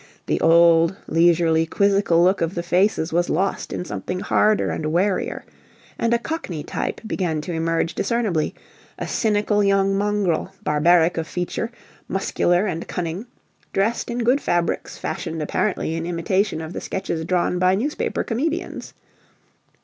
The old, leisurely, quizzical look of the faces was lost in something harder and warier; and a cockney type began to emerge discernibly a cynical young mongrel barbaric of feature, muscular and cunning; dressed in good fabrics fashioned apparently in imitation of the sketches drawn by newspaper comedians.